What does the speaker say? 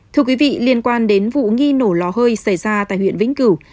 thưa quý vị liên quan đến vụ nghi nổ lò hơi xảy ra tại huyện vĩnh cửu